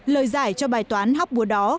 lời giải cho bài toán hóc búa đó